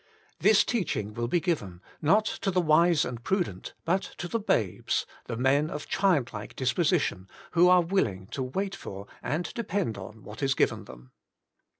'I]nsJea(Jiing_wilLlifi ^iYen, not to the wise and prudent, but to th e babe s, the men of childrlike ^disposition, wh<gLAre_jwilling. to wartior, and depend on what is.^iven_thgm.